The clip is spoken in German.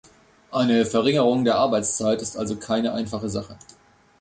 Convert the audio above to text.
Eine Verringerung der Arbeitszeit ist also keine einfache Sache.